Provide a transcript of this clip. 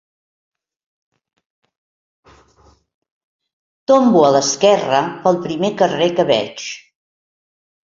Tombo a l'esquerra pel primer carrer que veig